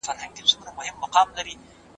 آیا ستا ورور د قرآن کریم حفظ کړی دی؟